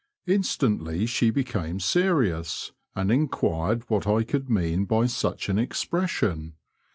Instantly she became serious, and enquired what I could mean by such an expression.